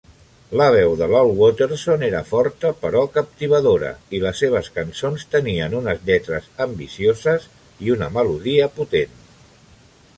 La veu de Lal Waterson era forta però captivadora, i les seves cançons tenien unes lletres ambicioses i una melodia potent.